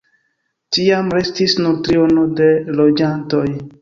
Tiam restis nur triono de loĝantoj.